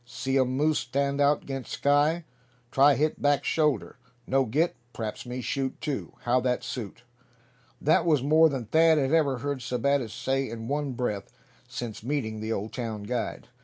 See um moose stand out 'gainst sky. Try hit back shoulder. No get, p'raps me shoot too. How that suit?" That was more than Thad had ever heard Sebattis say in one breath since meeting the Old town guide.